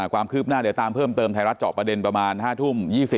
ความคืบหน้าเดี๋ยวตามเพิ่มเติมไทยรัฐเจาะประเด็นประมาณ๕ทุ่ม๒๐